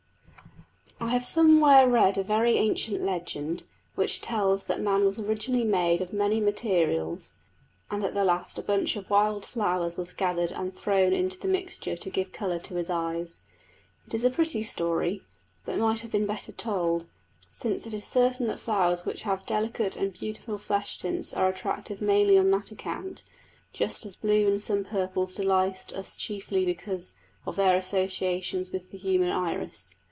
I have somewhere read a very ancient legend, which tells that man was originally made of many materials, and that at the last a bunch of wild flowers was gathered and thrown into the mixture to give colour to his eyes. It is a pretty story, but might have been better told, since it is certain that flowers which have delicate and beautiful flesh tints are attractive mainly on that account, just as blue and some purples delight us chiefly because of their associations with the human iris.